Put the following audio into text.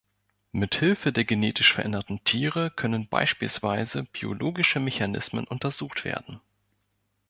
Mit Hilfe der genetisch veränderten Tiere können beispielsweise biologische Mechanismen untersucht werden.